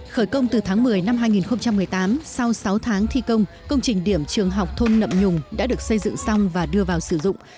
khởi công từ tháng một mươi năm hai nghìn một mươi tám sau sáu tháng thi công công trình điểm trường học thôn nậm nhùng đã được xây dựng xong và đưa vào sử dụng